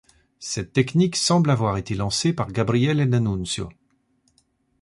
Cette technique semble avoir été lancée par Gabriele D'Annunzio.